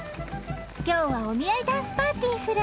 今日はお見合いダンスパーティーフラ。